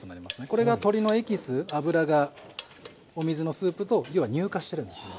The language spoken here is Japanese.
これが鶏のエキス脂がお水のスープと要は乳化してるんですね。